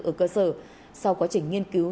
ở cơ sở sau quá trình nghiên cứu